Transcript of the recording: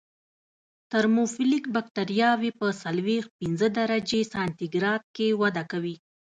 ترموفیلیک بکټریاوې په څلویښت پنځه درجې سانتي ګراد کې وده کوي.